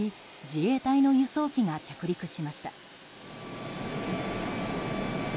自衛隊の輸送機が着陸しました。